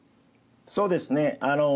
そうですね。